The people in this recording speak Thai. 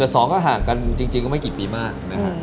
๑กับ๒ก็ห่างกันจริงมันไม่กี่ปีมาก